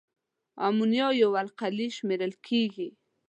امونیا یوه القلي شمیرل کیږي.